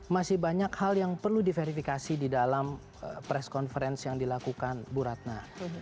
masih banyak hal yang perlu diverifikasi di dalam press conference yang dilakukan bu ratna